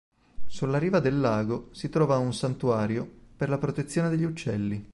Sulla riva del lago si trova un santuario per la protezione degli uccelli.